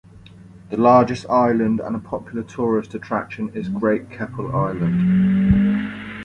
The largest island and a popular tourist attraction is Great Keppel Island.